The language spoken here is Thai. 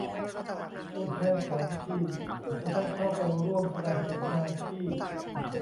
ตัวแทนของทีมจะได้เข้าไปร่วมแสดงผลงานที่